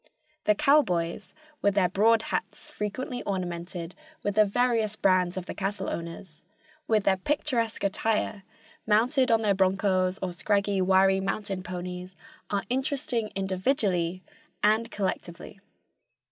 The cowboys, with their broad hats frequently ornamented with the various brands of the cattle owners, with their picturesque attire, mounted on their bronchos, or scraggy, wiry mountain ponies, are interesting individually and collectively.